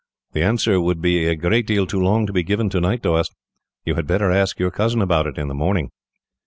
"The answer would be a great deal too long to be given tonight, Doast. You had better ask your cousin about it, in the morning."